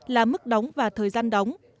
là mức đóng và thời gian đóng